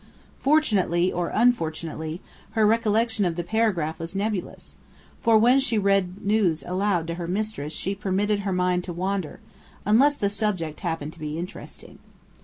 Fortunately or unfortunately, her recollection of the paragraph was nebulous, for when she read news aloud to her mistress she permitted her mind to wander, unless the subject happened to be interesting.